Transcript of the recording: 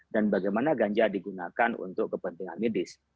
dan bagaimana ganja digunakan untuk kepentingan medis